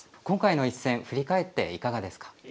今回の一戦振り返っていかがですか？